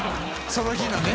その日のね。